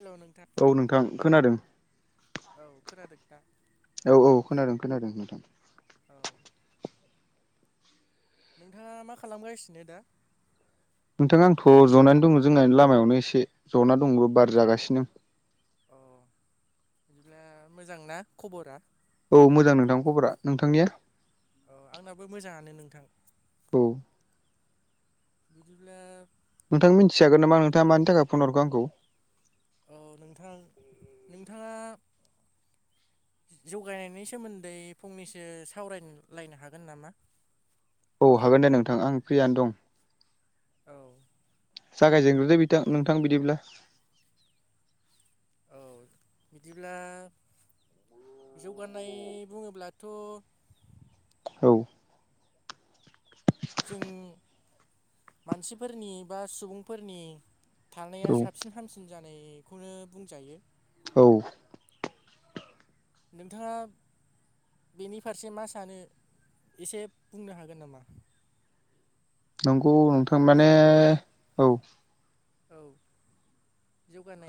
Hello नोंथां औ नोंथां खोनादों औ खोनादों ना औ औ खोनादों खोनादों नोंथां औ नोंथाङा मा खालामगासिनो दा? नोंथां आंथ' जनानै दङ जोंना लामायावनो एसे जना दंबो बार जागासिनो अ बिदिब्ला मोजांना खबरा? औ मोजां नोंथांनि खबरा नोंथांनिया? औ आंनाबो मोजाङानो नोंथां औ बिदिब्ला नोंथां मिथिखागोन नामा नोंथाङा मानि थाखाय फन हरखो आंखौ? औ नोंथां नोंथाङा जौगानायनायनि सोमोन्दै फंनैसो सावरायलायनो हागोन नामा औ हागोन दे नोंथां आं फ्रियानो दं औ जागायजेनग्रोदो बिथां नोंथां बिदिब्ला औ बिदिब्ला जौगानाय बुङोब्लाथ औ [inaudible] जों मानसिफोरनि बा सुबुंफोरनि थानाया औ साबसिन हामसिन जानायखौनो बुंजायो औ नोंथाङा बेनि फारसे मा सानो एसे बुंनो हागोन नामा [inaudible] नंगौ नोंथां माने जेनेबा औ औ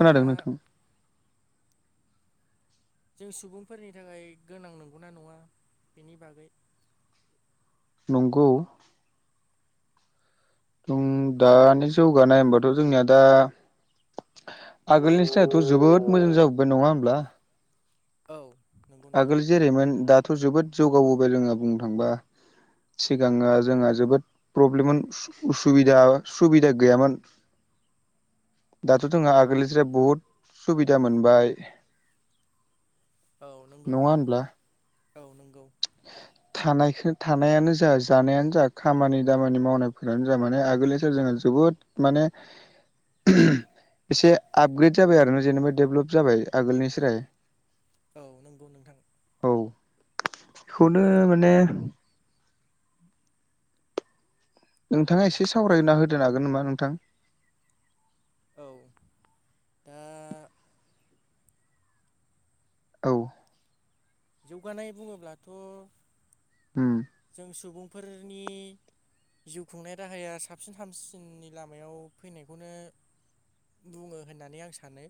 खोनादों नोंथां जों सुबुंफोरनि थाखाय गोनां नंगौना नङा बेनि बागै नंगौ जों दानि जौगानाय होमबाथ जोंनिया दा आगोलनि सायदथ जोबोद मोजां जाबोबाय नङा होमब्ला औ नंगौ नोंथां आगोल जेरैमोन दाथ' जोबोद जौगाबोबाय जोङा बुंनो थांबा सिगाङो जोंहा जोबोद प्रब्लेममोन सु उसिदा सुबिदा गैयामोन दाथ' जोंहा आगोलनिस्राय बुहुद सुबिदा मोनबाय औ नंगौ नङा नोंथां होनब्ला औ नंगौ थानायखो थानायानो जा जानायानो जा खामानि दामानि मावनायफोरानो जा माने आगोलनिसाय जोंङो जोबोद माने [unintelligible] एसे आपग्रेड जाबाय आरो ना जेनेबा डेभलप जाबाय आगोलनिस्राय औ नंगौ नोंथां खौनो माने औ नोंथाङा एसे सावरायना होदो हागोन नामा नोंथां? औ दा औ जौगानाय बुङोब्लाथ' उम जों सुबुंफोरनि जिउ खुंनाय राहाया साबसिन हामसिननि लामायाव फैनायखौनो बुङो होननानै आं सानो।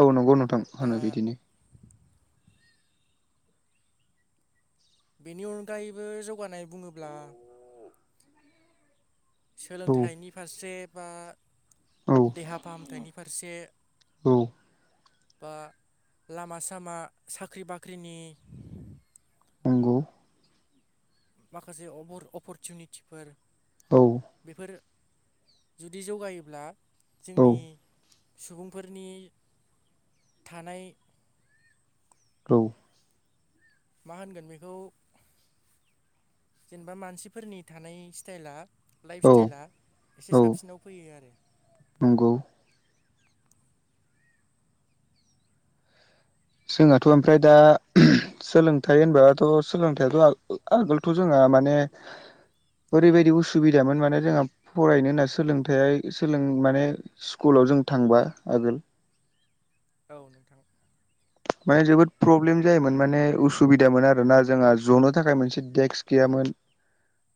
औ नंगौ नोंथां दा होनो बिदिनो। बेनि अनगायैबो जौगानाय बुङोब्ला सोलोंथाइनि फारसे बा औ देहा फाहामथायनि फारसे औ बा लामा सामा साख्रि बाख्रिनि नंगौ माखासे अबर अफरतिनिटिफोर औ बेफोरो जुदि जौगायोब्ला औ जोंनि सुबुंफोरनि थानाय औ मा होनगोन बेखौ जेनेबा मानसिफोरनि थानाय सिटायला लायफ औ सिटायला एसे औ साबसिनाव फैयो आरो। नंगौ। जोंहाथ' ओमफ्राय दा सोलोंथाइ होनबाथ' सोलोंथायाथ' आगोलथ' जोंहा माने ओरै बायदि उसुबिदामोन माने जोंहा फरायनो होनना सोलोंथाइ सोलों माने स्कुलाव जों थांबा आगोल औ नोंथां। माने जोबोद प्रब्लेम जायोमोन। माने उसुबिदामोन आरो ना जोंहा जनो थाखाय मोनसे देक्स गैयामोन।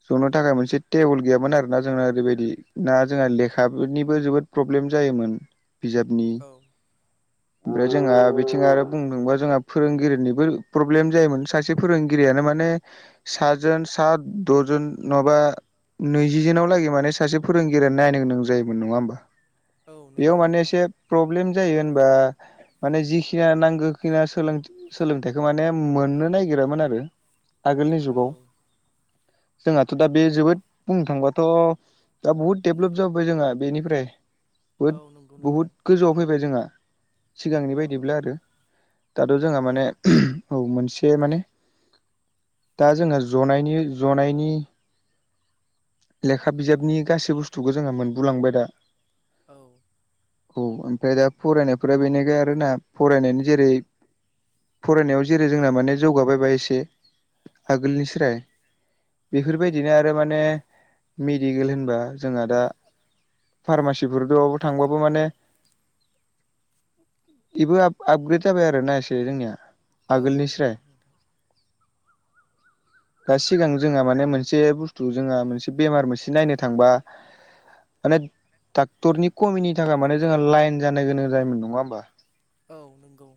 ज'नो थाखाय मोनसे टेबोल गैयामोन आरो ना जोंना ओरैबायदि ना जोंहा लेखानिबो जोबोद प्रब्लेम जायोमोन बिजाबनि औ ओमफ्राय जोंहा बिथ थिङा आरो बुंदोंबा जोंहा फोरोंगिरिनिबो प्रब्लेम जायोमोन। सासे फोरोंगिरियानो माने साजोन सात द'जोन नङाबा नैजिजोनाव लागै माने सासे फोरोंगिरियानो नायनो गोनां जायोमोन नङा होमबा? औ बेयाव नंगौ माने नोंथां एसे प्रब्लेम जायो होनबा माने जिखि खिया नांगौ खिना सोलोंथाइखौ माने मोननो नागिरामोन आरो। आगोलनि औ जुगाव जोंहाथ' दा बे जोबोद बुंनो थांबाथ' दा बहुद दडेभलप जाबाय जोंहा बेनिफ्राय बोद औ नंगौ बुहुद नोंथां गोजौआव फैबाय जोंहा सिगांनि औ बायदिब्ला दो दाथ' जोंहा औ माने औ मोनसे माने दा जोङो जनायनि जनायनि लेखा बिजाबनि गासै बुस्थुखौ जोंहा मोनबोलांबाय दा। औ औ ओमफ्राय दा फरायनायफोरा बेनिखाय आरो ना फरायनायनि जेरै फरायनायाव जेरै जोंना माने जौगाबायबा एसे आगोलनिस्राय। बेफोरबायदिनो आरो माने मिथ दिगोल होमबा जोंहा दा फार्मासिफोर दोआवबो थांबाबो औ माने बेबो आप आपग्रेड जाबाय आरो ना एसे जोंनिया औ नंगौ आगोलनिस्राय। नोंथां दा सिगां जोंहा माने मोनसे बुस्थु जोंहा मोनसे बेमार मोनसे नायनो थांबा माने डाक्टरनि कमिनि थाखाय माने जोंहा लायन जानो गोनां जायोमोन नङा होमबा? औ नंगौ।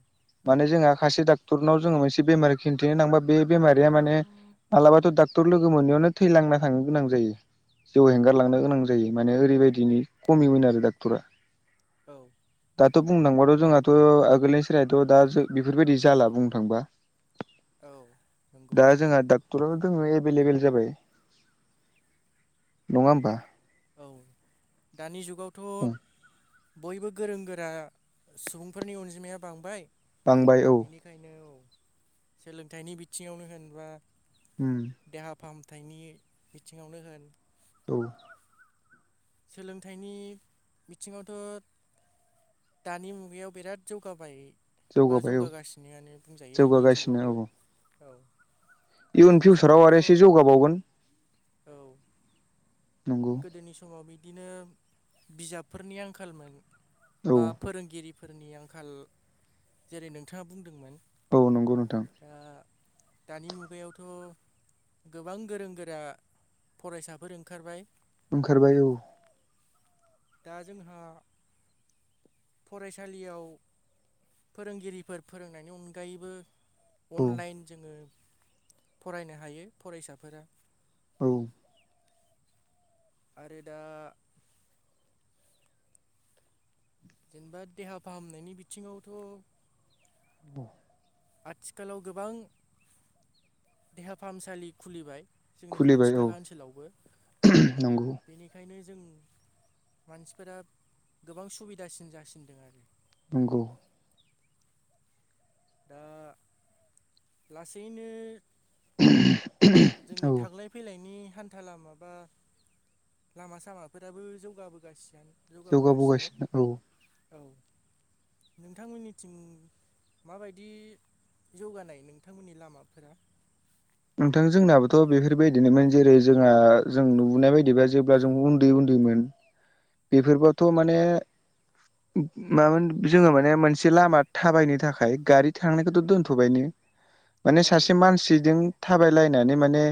माने जोंहा खाासे डाक्टरनाव जोङो मोनसे बेमार खिन्थिनो थांबा बेमारिया माने मालाबाथ' डाक टर लोगो मोनैयावनो थैलांना थांनो गोनां जायो। जिउ हेंगारलांनो गोनां जायो माने ओरैबायदिनि खमिमोन आरो डाक्टरा औ दाथ' बुंनो थांबाथ' जोंहाथ' आगोलनि सोलायथ' दा ओ बेफोरबायदि जाला बुंनो थांबा। औ नंगौ दा जोंहा नोंथां डाक्ट क्टरावनो दोङो एभेलेबेल जाबाय। नङा होमबा? औ दानि जुगावथ' बयबो गोरों गोरा सुबुंफोरनि अनजिमाया बांबाय। बांबाय औ। बेनिखायनो औ सोलोंथाइनि बिथिङावनो होनबा उम देहा फाहामथायनि बिथिङावनो होन औ सोलोंथाइनि बिथिङावथ' दानि मुगायाव बिराद जौगाबाय। बा जौगाबाय औ जौगागासिनोयानो बुंजायो जोंनि जौगागासिनो ओनसोलावबो। औ औ इयुन गोदोनि फिउचाराव समावथ' आरो एसे जौगाबावगोन औ नंगौ गोदोनिस माव बिदिनो बिजाबफोरनि आंखालमोन औ बा फोरोंगिरि फोरनि आंखाल जेरै नोंथाङा बुंदोंमोन। औ नंगौ नोंथां। दा दानि मुगायावथ' गोबां गोरों गोरा फरायसाफोर ओंखारबाय। ओंखारबाय औ। दा जोंहा फरायसालियाव फोरोंगिरिफोर फोरोंनायनि अनगायैबो अनलाइन जोङो फरायनो हायो फरायसाफोरा। औ आरो दा जेनेबा देहा फाहामनायनि बिथिङावथ' बु आथिखालाव गोबां देहा फाहामसालि खुलिबाय। जोंनि खाथि खुलिबाय औ खाला ओनसोलावबो नंगौ बेनिखायनो जों मानसिफोरा गोबां सुबिदासिन जासिनदों आरो। नोंगौ। दा लासैनो जोंनि औ थाग्लाय फैलायनायनि हान्था लामा बा लामा सामाफोराबो जौगाबोगासियानो। जौगाबोगासिनो। औ नोंथांमोननिथिं माबायदि जौगानाय नोंथांमोननि लामाफोरा? नोंथां जोंनाबोथ' बेफोरबायदिनोमोन जेरै जोंहा जों नुबोनाय बायदिबा जेब्ला जों उन दै उन्दैमोन बेफोरबाथ' माने मामोन जोङो माने मोनसे लामा थाबायनो थाखाय गारि थांनायखौथ' दोनथ'बायनो [inaudible] माने सासे मानसिदों थाबाय लायनानै माने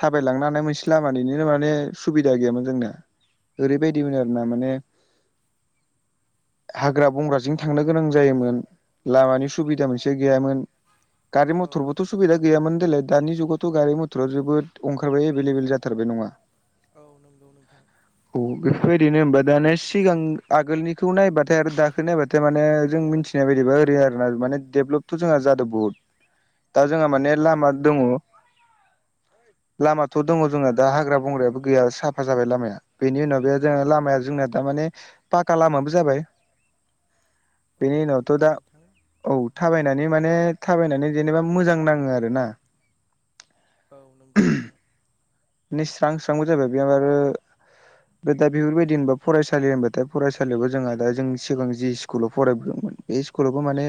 थाबायलांनो हानाय मोनसे लामानिनो माने सुबिदा गैयामोन जोंना। औ ओरैबायदिमोन आरो ना माने हाग्रा बंग्राजों थांनो गोनां जायोमोन। लामानि सुबिदा मोनसे गैयामोन। गारि औ मथरबोथ' सुबिदा गैयामोन देलाय दानि जुगावथ' गारि मथरा जोबोद अंखारबाय एभेलेबेल जाथारबाय नङा। औ नंगौ नोंथां। औ बेफोरबादिनो होमबा दा नेस सिगां आगोलनिखौ नायबाथाय आरो दाखो नायबाथाय माने जों मोनथि नाय बायदिबा ओरै आरो ना माने डेभलपथ' जोंहा जादों बहुत दा जोंहा माने लामा दङ। लामाथ' दङ जोंना दा हाग्रा बंग्रायाबो गैया साफा जाबाय लामाया बेनि उनाव बे जों लामाया जोंनाया दा माने पाक्का लामाबो जाबाय। औ नंगौना नोंथाङा? औ दानिया माने थाबायनानै जेनेबा मोजां नाङो आरो ना। औ नंगौ नोंथां। स्रां स्रांबो जाबाय बे आरो दा बेफोरबायदि होनबा फरायसालि होनबाथाय फरायसालियावबो जोंहा दा जों सिगां जि स्कुलाव फरायबोदोंमोन। बे स्कुलावबो माने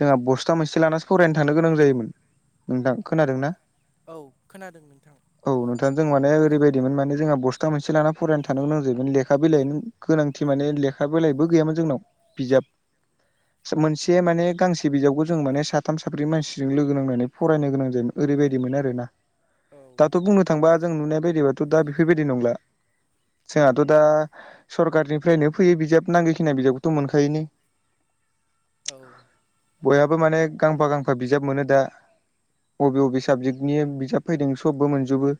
जोंहा बस्था मोनसे लानासो फरायनो थांनो गोनां जायोमोन। नोंथां खोनादों ना? औ खोनादों नोंथां। औ नोंथां जों औ माने ओरैबाय दिमोन माने जोंहा बस्था मोनसे लाना फरायनो थांनो गोनां जायोमोन लेखा बिलाइनि गोनांथि माने लेखा बिलाइबो गैयामोन जोंनाव। बिजाब [inaudible] मोनसे माने गांसे बिजाबखौ जों माने साथाम साब्रै मानसिजों लोगो नांनानै फरायनो गोनां जायोमोन ओरैबायदिमोन आरोना औ दाथ' बुंनो थांबा जों नुनाय बायदिबाथ' दा बेफोरबायदि नंला। जोंहाथ' दा सरखारारनिफ्रायनो फैयो बिजाब नांगोखिनि बिजाबखौथ' मोनखायोनो। औ बयहाबो माने गांफा गांफा बिजाब मोनो दा। बबे बबे साबजेक्टनि बिजाब फैदों सबबो मोनजोबो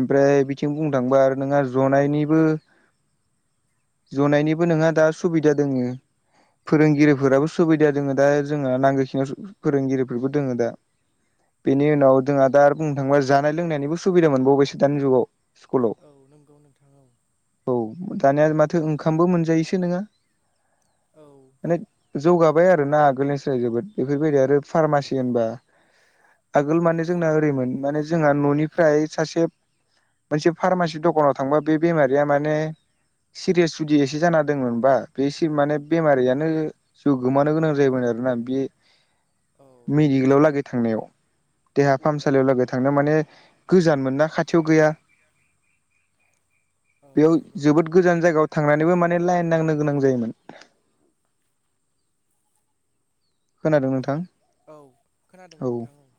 ओमफ्राय बिथिं बुंनो थांबा आरो नोंहा जनायनिबो जनायनिबो नोंहा दा सुबिदा दोङो औ फोरोंगिरिफोराबो सुबि दा दोङो दा जोंहा नांगौखिनियाव फोरोंगिरिफोरबो दोङो दा। बेनि उनाव जोंहा दा आरो बुंनो थाङोबा जानाय-लोंनायनिबो सुबिदा मोनबावबायसो दानि जुगाव। स्कुलाव औ नंगौ नोंथां। औ औ दानिया माथो ओंखामबो मोनजायोसो नोङा? औ माने जौगाबाय आरोना आगोलनि साय जोबोद बेफोरबायदि आरो फार्मासि होनबा आगोल माने जोंना ओरैमोन माने जोंहा न'निफ्राय सासे मोनसे फार्मासि दखानाव थांबा बे बेमारिया माने सिरियास जुदि एसे जाना दङो बा बेसिम माने बेमारियानो जिउ गोमानो गोनां जायोमोन आरोना। बे औ मेडिकेलाव लागै थांनायाव देहा फाहामसालियाव लागै थांनो माने गोजानमोन ना खाथियाव गैया। औ बेयाव नंगौ जोबोद गोजान जायगायाव थांनानैबो माने लाइन नांनो गोनां जायोमोन। खोनादों नोंथां? औ खोनादों औ नोंथां, ओं।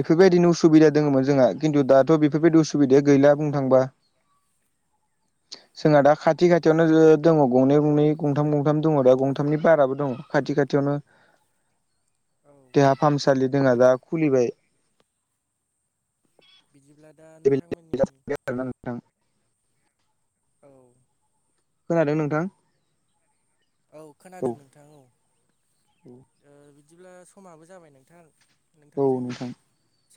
बेफोरबायदिनो उसुबिदा दङमोन जोंहा खिन्थु दाथ' बेफोरबायदि उसुबिदाया गैला बुंनो थांबा। [inaudible] जोंहा दा खाथि खाथियावनो दङ गंनै गंनै गंथाम गंथाम दङ दा गंथामनि बाराबो दङ। खाथि खाथियावनो औ देहा फाहामसालि जोंहा दा खुलिबाय बिदिब्ला दा नोंथांमोननि [unintelligible] औ खोनादों नोंथां? औ खोनादों नोंथां औ ओ बिदिब्ला समाबो जाबाय नोंथां औ नोंथांजों नोंथां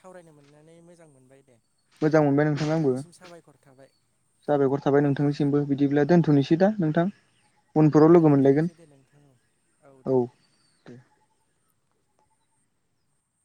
सावरायनो मोननानै मोजां मोनबाय दे मोजां मोनबाय नोंथां आंबो नोंथांनिसिम साबायखर थाबाय साबायखार औ थाबाय नोंथांनि सिमबो बिदिब्ला दोन्थ'नोसै दा नोंथां। औ उनफोराव लोगो मोनलायगोन दोनथ'नोसै दे नोंथां औ।